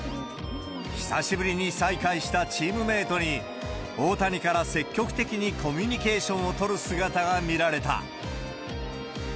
久しぶりに再会したチームメートに大谷から積極的にコミュニケーションをとる姿が見られた。